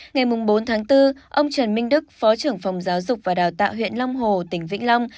ngày bốn tháng bốn ông trần minh đức phó trưởng phòng giáo dục và đào tạo huyện long hồ tỉnh vĩnh long